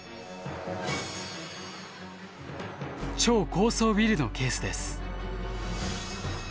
超高層ビルのケースです。